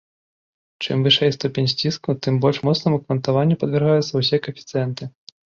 Чым вышэй ступень сціску, тым больш моцнаму квантаванню падвяргаюцца ўсе каэфіцыенты.